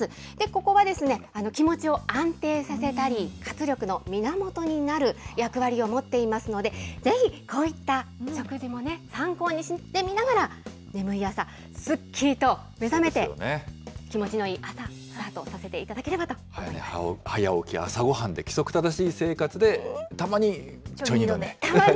ここは、気持ちを安定させたり、活力の源になる役割を持っていますので、ぜひこういった食事も参考にしてみながら、眠い朝、すっきりと目覚めて、気持ちのいい朝、スタートさせていただければと思早起き、朝ごはんで規則正したまにね。